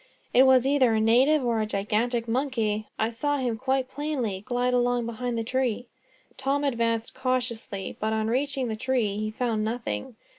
"It was either a native, or a gigantic monkey. I saw him, quite plainly, glide along behind the tree." Tom advanced cautiously, but on reaching the tree he found nothing.